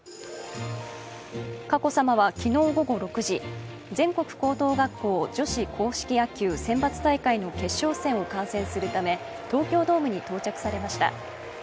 佳子さまは昨日午後６時、全国高等学校女子公式野球選抜大会の決勝戦を観戦するため東京ドームに到着されました。